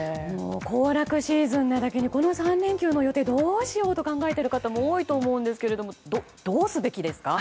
行楽シーズンだけにこの３連休の予定どうしようと考えている方も多いと思うんですけどどうすべきですか？